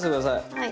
はい。